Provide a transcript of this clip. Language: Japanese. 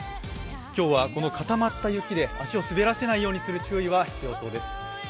今日はこの固まった雪で足を滑らせないようにする注意は必要そうです。